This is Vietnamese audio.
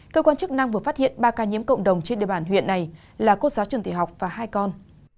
cơ quan chức năng vừa phát hiện ba ca nhiễm cộng đồng trên địa bàn huyện này là cô giáo trường thị học và hai con